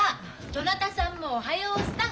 どなたさんもおはようさん！